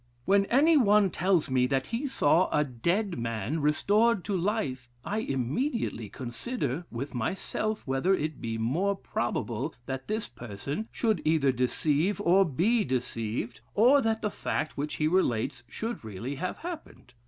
When any one tells me that he saw a dead man restored to life, I immediately consider with myself whether it be more probable that this person should either deceive or be deceived, or that the fact which he relates should really have happened.